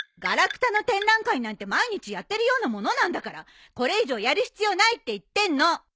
がらくたの展覧会なんて毎日やってるようなものなんだからこれ以上やる必要ないって言ってんの！